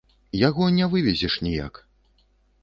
Яго не вывезеш ніяк.